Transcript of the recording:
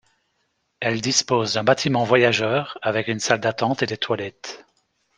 Elle dispose d'un bâtiment voyageurs avec une salle d'attente et des toilettes.